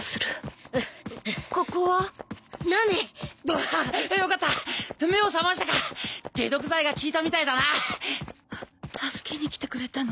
ブハッよかった目を覚ましたか解毒剤が効いたみたいだな助けに来てくれたの？